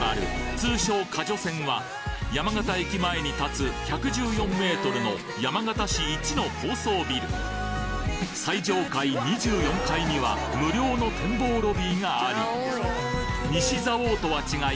通称カジョセンは山形駅前に建つ１１４ｍの山形市イチの高層ビル最上階２４階には無料の展望ロビーがあり西蔵王とは違い